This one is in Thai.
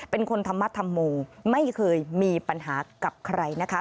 เป็นคนธรรมธรรโมไม่เคยมีปัญหากับใครนะคะ